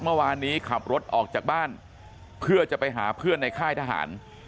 เมื่อวานนี้ขับรถออกจากบ้านเพื่อจะไปหาเพื่อนในค่ายทหาร